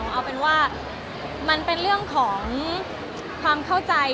เอาเป็นว่ามันเป็นเรื่องของความเข้าใจ